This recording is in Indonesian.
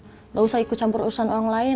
tidak usah ikut campur urusan orang lain